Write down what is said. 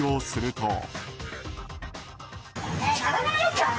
すると。